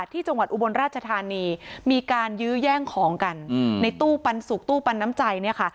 อุบลราชธานีมีการยื้อแย่งของกันในตู้ปันสุกตู้ปันน้ำใจเนี่ยค่ะ